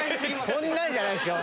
そんなんじゃないでしょ。